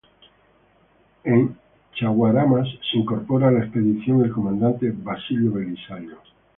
En Chaguaramas se incorpora a la expedición, el comandante Basilio Belisario.